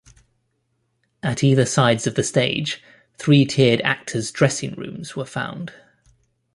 At either sides of the stage, three-tiered actors' dressing-rooms were found.